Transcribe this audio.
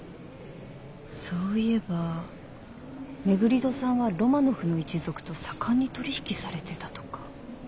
そういえば廻戸さんはロマノフの一族と盛んに取り引きされてたとか。